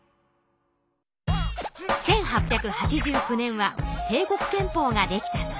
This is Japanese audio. １８８９年は帝国憲法ができた年。